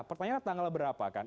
pertanyaannya tanggal berapa kan